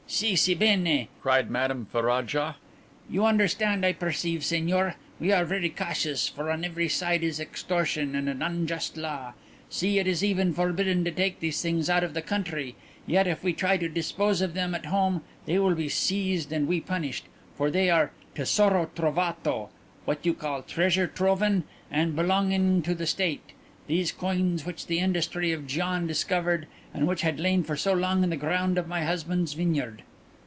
"Si, si bene," cried Madame Ferraja. "You understand, I perceive, Signor. We are very cautious, for on every side is extortion and an unjust law. See, it is even forbidden to take these things out of the country, yet if we try to dispose of them at home they will be seized and we punished, for they are tesoro trovato, what you call treasure troven and belonging to the State these coins which the industry of Gian discovered and which had lain for so long in the ground of my husband's vineyard."